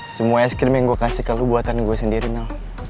semua es krim yang gue kasih ke lu buatan gue sendiri no